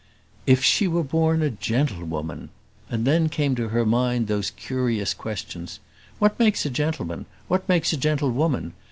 If she were born a gentlewoman! And then came to her mind those curious questions; what makes a gentleman? what makes a gentlewoman?